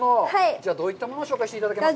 じゃあ、どういったものを紹介していただけますか。